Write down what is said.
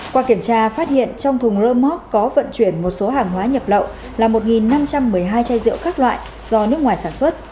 qua kiểm tra phát hiện trong thùng rơ móc có vận chuyển một số hàng hóa nhập lậu là một năm trăm một mươi hai chai rượu các loại do nước ngoài sản xuất